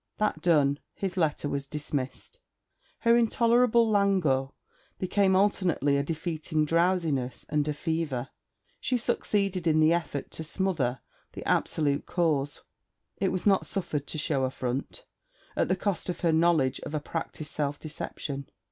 That done, his letter was dismissed. Her intolerable languor became alternately a defeating drowsiness and a fever. She succeeded in the effort to smother the absolute cause: it was not suffered to show a front; at the cost of her knowledge of a practised self deception.